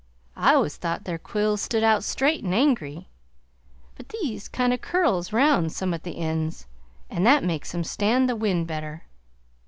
I always thought their quills stood out straight and angry, but these kind o' curls round some at the ends, and that makes em stand the wind better.